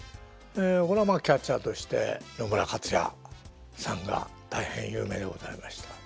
これはキャッチャーとして野村克也さんが大変有名でございました。